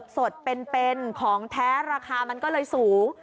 สดเป็นของแท้ราคามันก็เลยสูง